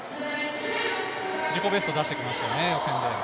自己ベスト出してきましたよね、予選で。